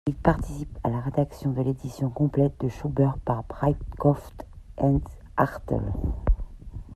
Il participe à la rédaction de l'édition complète de Schubert par Breitkopf & Härtel.